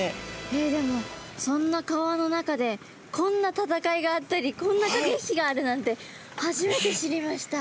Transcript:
えっでもそんな川の中でこんな戦いがあったりこんなかけ引きがあるなんて初めて知りました。